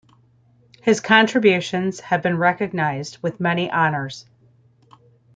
His contributions have been recognized with many honors.